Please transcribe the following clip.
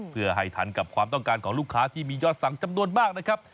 เพื่อให้ทันกับความต้องการของลูกค้าที่มียอดสั่งจำนวนมากนะครับ